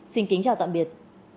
xin kính chào tạm biệt